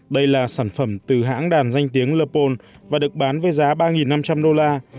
đây là sản phẩm từ hãng đàn danh tiếng lapone và được bán với giá ba năm trăm linh đô la